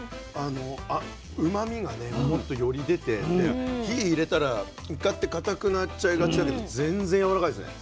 うまみがねもっとより出てで火入れたらイカってかたくなっちゃいがちだけど全然やわらかいですね。